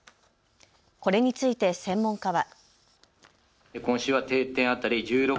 これについて専門家は。